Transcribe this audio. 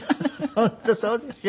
本当そうですよね。